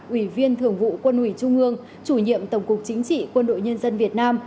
ủy viên thường vụ quân ủy trung ương chủ nhiệm tổng cục chính trị quân đội nhân dân việt nam